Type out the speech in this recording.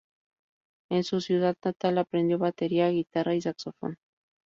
En su ciudad natal, aprendió batería, guitarra y saxofón.